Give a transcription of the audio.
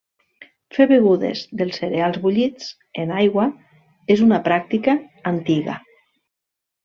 Fer begudes dels cereals bullits en aigua és una pràctica antiga.